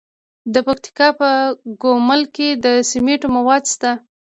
د پکتیکا په ګومل کې د سمنټو مواد شته.